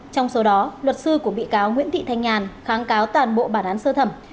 trong số đó luật sư của bị cáo nguyễn thị thanh nhàn kháng cáo toàn bộ bản án sơ thẩm